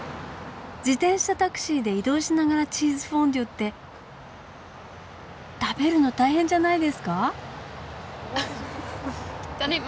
自転車タクシーで移動しながらチーズフォンデュって食べるの大変じゃないですか？